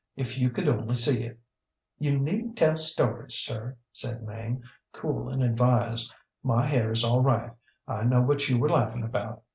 If you could only see it! ŌĆÖ ŌĆ£ŌĆśYou neednŌĆÖt tell stories, sir, ŌĆÖ said Mame, cool and advised. ŌĆśMy hair is all right. I know what you were laughing about.